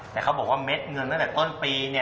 แต่เขาบอกว่าเม็ดเงินตั้งแต่ต้นปี